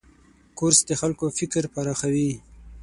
کورس د خلکو فکر پراخوي.